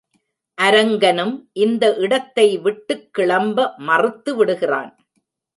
அரங்கனும் இந்த இடத்தை விட்டுக்கிளம்ப மறுத்து விடுகிறான்.